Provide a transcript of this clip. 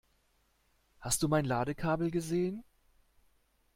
Hast du mein Ladekabel gesehen?